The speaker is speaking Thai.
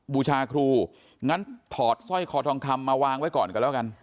บูชาครูงั้นถอดสร้อยคอทองคำมาวางไว้ก่อนกันแล้วกัน